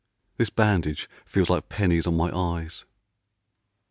This bandage feels like pennies on my eyes.